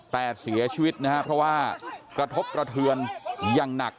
แต่เสียชีวิตนะครับเพราะว่ากระทบกระเทือนอย่างหนัก